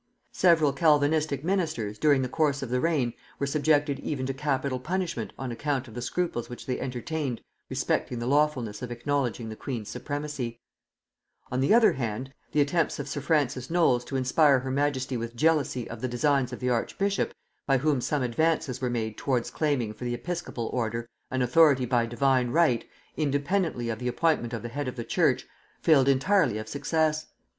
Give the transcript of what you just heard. Several Calvinistic ministers, during the course of the reign, were subjected even to capital punishment on account of the scruples which they entertained respecting the lawfulness of acknowledging the queen's supremacy: on the other hand, the attempts of sir Francis Knowles to inspire her majesty with jealousy of the designs of the archbishop, by whom some advances were made towards claiming for the episcopal order an authority by divine right, independently of the appointment of the head of the church, failed entirely of success.